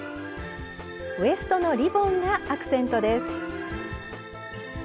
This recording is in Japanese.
ウエストのリボンがアクセントです。